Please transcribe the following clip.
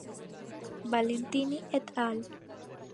Valentini et al.